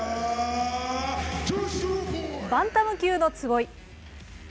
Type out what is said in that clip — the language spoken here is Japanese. バンタム級の坪井。